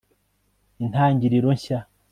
intangiriro nshya